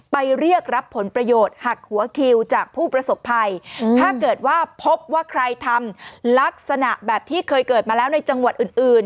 ไปเรียกรับผลประโยชน์หักหัวคิวจากผู้ประสบภัยถ้าเกิดว่าพบว่าใครทำลักษณะแบบที่เคยเกิดมาแล้วในจังหวัดอื่นอื่น